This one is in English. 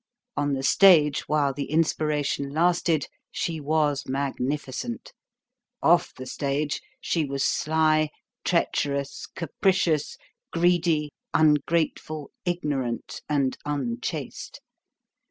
On the stage while the inspiration lasted she was magnificent. Off the stage she was sly, treacherous, capricious, greedy, ungrateful, ignorant, and unchaste.